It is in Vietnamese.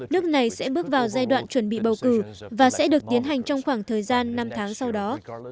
nước này sẽ bước vào giai đoạn chuẩn bị bầu cử và sẽ được tiến hành trong khoảng thời gian năm tháng sau đó